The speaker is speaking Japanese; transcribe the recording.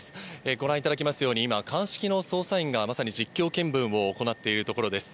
ご覧いただけますように、今、鑑識の捜査員がまさに実況見分を行っているところです。